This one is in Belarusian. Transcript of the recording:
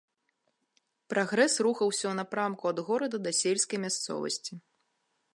Прагрэс рухаўся ў напрамку ад горада да сельскай мясцовасці.